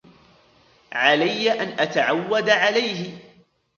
علي أن أتعود عليه.